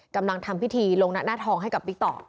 กำลังทำพิธีลงหน้าทองให้กับบิ๊กต่อ